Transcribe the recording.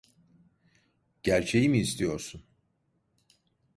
Gerçeği mi istiyorsun?